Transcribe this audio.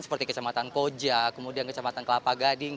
seperti kecamatan koja kemudian kecamatan kelapa gading